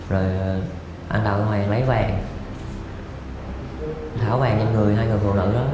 rồi anh đào minh hoàng lấy vàng tháo vàng trên người hai người phụ nữ đó